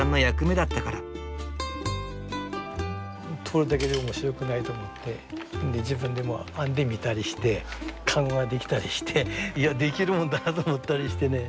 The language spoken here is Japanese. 採るだけじゃ面白くないと思って自分でも編んでみたりして籠が出来たりしていやできるもんだなと思ったりしてね。